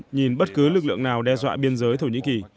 nhìn bất cứ lực lượng nào đe dọa biên giới thổ nhĩ kỳ